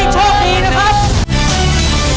โอ้ยโชคดีนะครับ